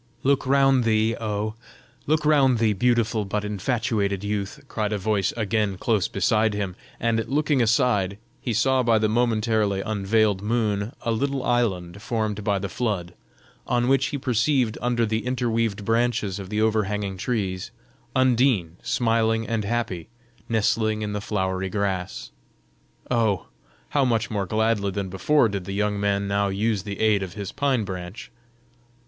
"Look round thee, oh! look round thee, beautiful but infatuated youth!" cried a voice again close beside him, and looking aside, he saw by the momentarily unveiled moon, a little island formed by the flood, on which he perceived under the interweaved branches of the overhanging trees, Undine smiling and happy, nestling in the flowery grass. Oh! how much more gladly than before did the young man now use the aid of his pine branch!